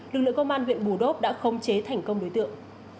lực lượng công an huyện bù đốc đã không chế thành công đối tượng